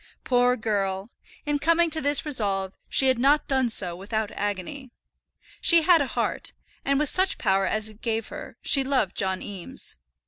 Poor girl! in coming to this resolve she had not done so without agony. She had a heart, and with such power as it gave her, she loved John Eames.